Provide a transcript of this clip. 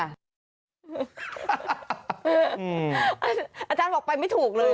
อาจารย์บอกไปไม่ถูกเลย